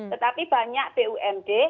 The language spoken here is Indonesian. tetapi banyak bumd